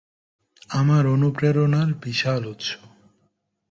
আমার অনুপ্রেরণার বিশাল উৎস।